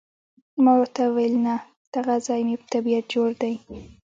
ما ورته وویل، نه، دغه ځای مې په طبیعت جوړ دی.